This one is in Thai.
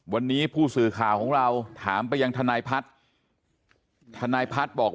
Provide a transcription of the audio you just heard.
วันนี้ผู้สื่อข่าวของเราถามไปยังทนายพัฒน์ทนายพัฒน์บอก